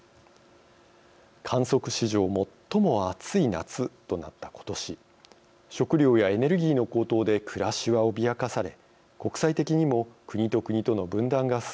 観測史上最も暑い夏となった今年食料やエネルギーの高騰で暮らしは脅かされ国際的にも国と国との分断が進んでいるように見えます。